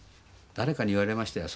誰かに言われましたよ。